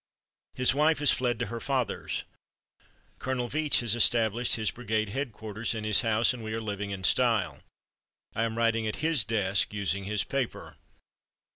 His wife has fled to her father's. Colonel Veatch has established his brigade headquarters in his house, and we are living in style. I am writing at his desk, using his paper."